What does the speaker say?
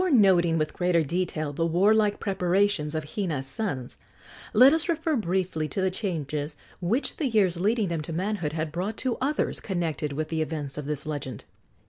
Before noting with greater detail the warlike preparations of Hina's sons, let us refer briefly to the changes which the years leading them to manhood had brought to others connected with the events of this legend.